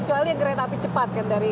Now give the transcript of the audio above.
kecuali kereta api cepat kan dari china